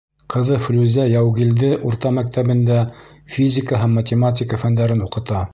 Ҡыҙы Флүзә Яугилде урта мәктәбендә физика һәм математика фәндәрен уҡыта.